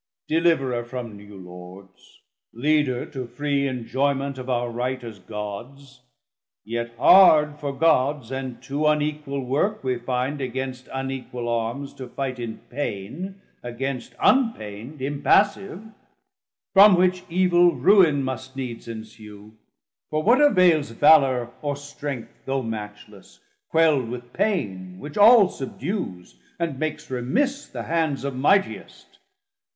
450 Deliverer from new Lords, leader to free Enjoyment of our right as Gods; yet hard For Gods, and too unequal work we find Against unequal armes to fight in paine, Against unpaind, impassive; from which evil Ruin must needs ensue; for what availes Valour or strength, though matchless, quelld with pain Which all subdues, and makes remiss the hands Of Mightiest.